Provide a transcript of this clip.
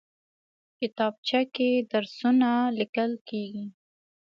کتابچه کې درسونه لیکل کېږي